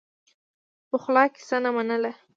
پخلا کیسه نه منله.